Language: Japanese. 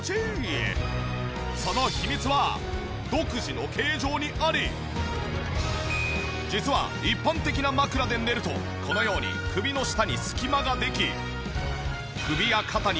その秘密は実は一般的な枕で寝るとこのように首の下に隙間ができ。